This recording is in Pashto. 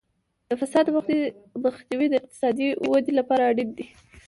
د فساد مخنیوی د اقتصادي ودې لپاره اړین دی.